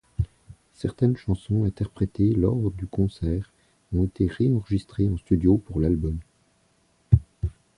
Certaines chansons interprétées lors du concert ont été ré-enregistrées en studio pour l'album.